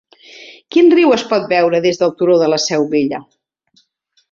Quin riu es pot veure des del turó de La Seu Vella?